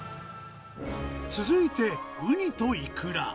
続いて、ウニとイクラ。